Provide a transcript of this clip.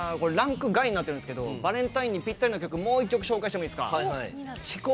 ランク外になってるんですけどバレンタインにぴったりの曲もう一曲、紹介していいですか。